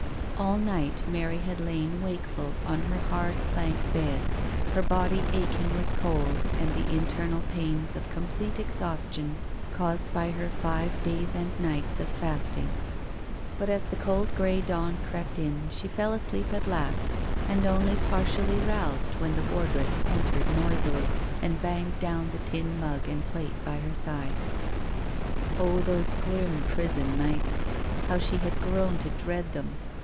k All night Mary had lain wakeful on her hard, plank bed, her body aching with cold and the internal pains of complete exhaustion caused by her five days and nights of fasting. But as the cold grey dawn crept in she fell asleep at last, and only partially roused when the 269 270 NO SURRENDER wardress entered noisily and banged down the tin mug and plate by her side. Oh, those grim prison nights I How she had grown to dread them!